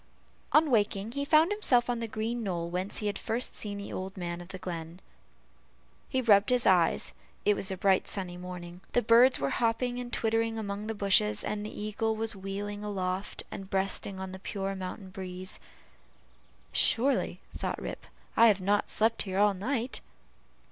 On waking, he found himself on the green knoll whence he had first seen the old man of the glen. He rubbed his eyes it was a bright sunny morning. The birds were hopping and twittering among the bushes, and the eagle was wheeling aloft, and breasting the pure mountain breeze. "Surely," thought Rip, "I have not slept here all night."